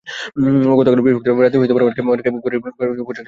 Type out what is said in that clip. গতকাল বৃহস্পতিবার রাতে অনেকে শীতের ভারী গরম পোশাক ছাড়া চলাফেরা করেছেন।